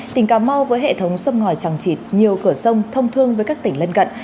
tỉnh cà mau với hệ thống xâm ngòi trọng trịt nhiều cửa sông thông thương với các tỉnh lân gận